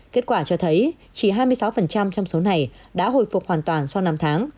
kết quả cho thấy chỉ hai mươi sáu trong số này đã hồi phục hoàn toàn sau năm tháng